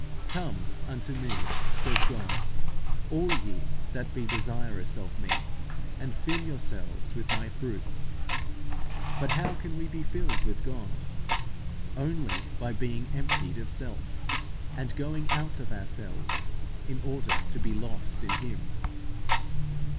3). "Come unto me," says God, "all ye that be desirous of me, and fill yourselves with my fruits" (Ecclus. xxiv. 19). But how can we be filled with God? Only by being emptied of self, and going out of ourselves in order to be lost in Him.